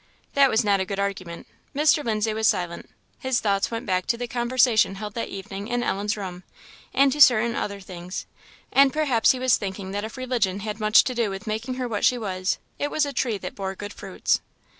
That was not a good argument. Mr. Lindsay was silent; his thoughts went back to the conversation held that evening in Ellen's room, and to certain other things; and perhaps he was thinking that if religion had much to do with making her what she was, it was a tree that bore good fruits.